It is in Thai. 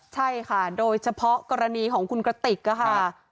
ใช่ค่ะโดยเฉพาะกรณีของคุณกระติกค่ะ